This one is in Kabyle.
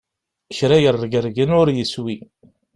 Kra yerregregren ur yeswi!